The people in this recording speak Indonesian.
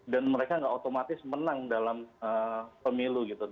dan mereka tidak otomatis menang dalam pemilu